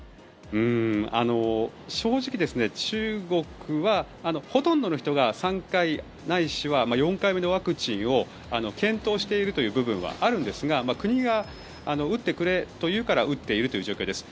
正直、中国はほとんどの人が３回ないしは４回目のワクチンを検討している部分はあるんですが国が打ってくれと言うから打っているという状況です。